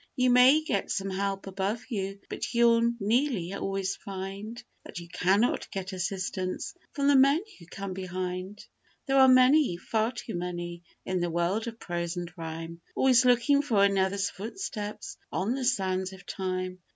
You may get some help above you, but you'll nearly always find That you cannot get assistance from the men who come behind. There are many, far too many, in the world of prose and rhyme, Always looking for another's 'footsteps on the sands of time.